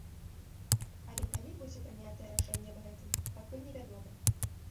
Але калі будзе прынятае рашэнне аб гэтым, пакуль не вядома.